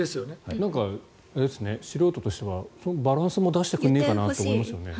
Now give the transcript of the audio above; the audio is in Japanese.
なんか、素人としてはバランスも出してくれないかなって思いますよね。